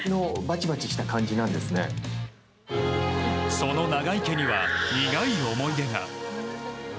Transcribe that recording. その永井家には苦い思い出が。